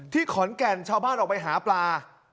ขอนแก่นชาวบ้านออกไปหาปลา